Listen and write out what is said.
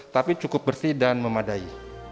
tapi cukup bersih dan memadai